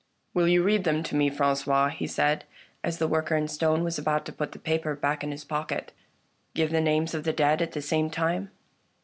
" Will you read them to me, Franqois ?" he said, as the worker in stone was about to put the paper back in his pocket. " Give the names of the dead at the same time."